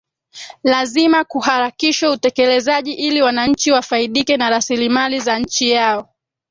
Lazima kuharakishwe utekelezaji ili wananchi wafaidike na rasilimali za nchi yao